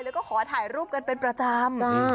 แล้วก็ขอถ่ายรูปกันเป็นประจำ